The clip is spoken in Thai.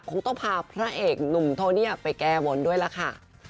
คงต้องพาพระเอกหนุ่มโทเนียไปแก้บนด้วยล่ะค่ะ